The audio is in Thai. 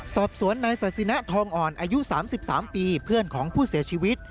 สอบสวนนายศาสินะทองอ่อนอายุ๓๓ปีเพื่อนของผู้เสียชีวิต